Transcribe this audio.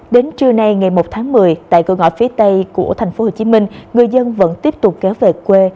đến trưa nay ngày một tháng một mươi tại cửa ngõ phía tây của tp hcm người dân vẫn tiếp tục kéo về quê